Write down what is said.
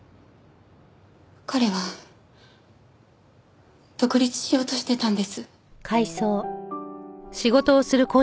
彼は独立しようとしてたんです。